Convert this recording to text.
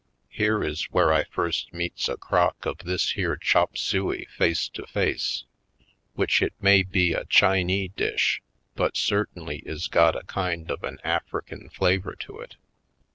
Here is where I first meets a crock of this here chop suey face to face; which it may be a Chinee dish but certainly is got a kind of an African flavor to it.